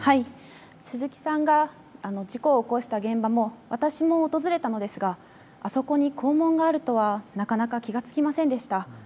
鈴木さんが事故を起こした現場も私も訪れたのですがあそこに校門があるとはなかなか気がつきませんでした。